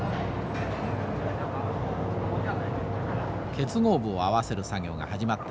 結合部を合わせる作業が始まっています。